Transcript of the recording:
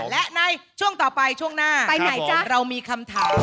และในช่วงต่อไปช่วงหน้าเรามีคำถาม